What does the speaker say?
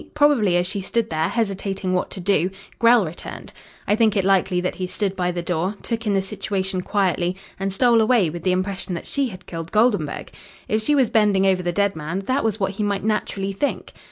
Probably as she stood there, hesitating what to do, Grell returned. I think it likely that he stood by the door, took in the situation quietly, and stole away with the impression that she had killed Goldenburg. If she was bending over the dead man, that was what he might naturally think.